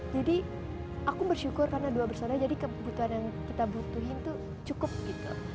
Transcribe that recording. jadi aku bersyukur karena dua bersaudara jadi kebutuhan yang kita butuhin itu cukup gitu